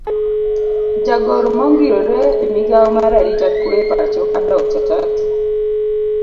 Jagoro maongirore e migao mar arita kwe e pachoka dr.Tatu